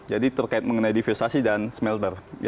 jadi terkait mengenai diversasi dan smelter